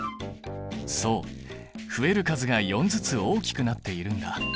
そう増える数が４ずつ大きくなっているんだ。